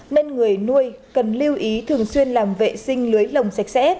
nên người nuôi cần lưu ý thường xuyên làm vệ sinh lưới lồng sạch sẽ